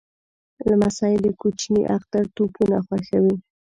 لمسی د کوچني اختر توپونه خوښوي.